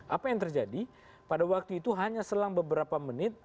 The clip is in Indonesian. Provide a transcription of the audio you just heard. apa yang terjadi pada waktu itu hanya selang beberapa menit